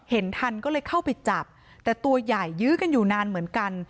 เห็นทันก็เลยเข้าไปจับแต่ตัวใหญ่ยื้อกันอยู่นานเหมือนกัน